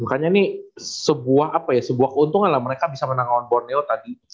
makanya ini sebuah keuntungan lah mereka bisa menang lawan borneo tadi